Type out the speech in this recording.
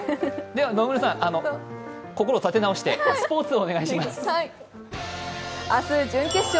野村さん、心を立て直してスポーツをお願いします。